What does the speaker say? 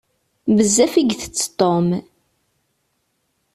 Bezzaf i itett Tom.